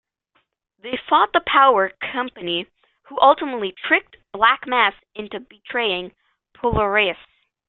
They fought the Power Company, who ultimately tricked Black Mass into betraying Polaris.